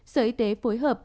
sở y tế phối hợp